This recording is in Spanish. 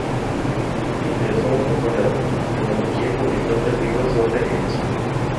Se interesó mucho por la frenología y publicó tres libros sobre el asunto.